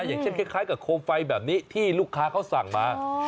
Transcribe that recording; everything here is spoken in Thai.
อย่างเช่นคล้ายกับโคมไฟแบบนี้ที่ลูกค้าเขาสั่งมา